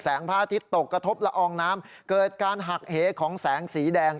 พระอาทิตย์ตกกระทบละอองน้ำเกิดการหักเหของแสงสีแดง